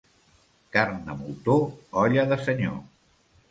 Carn de moltó, olla de senyor.